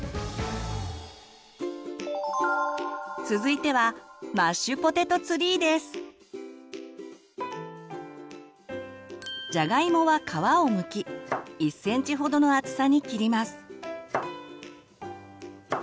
続いてはじゃがいもは皮をむき１センチほどの厚さに切ります。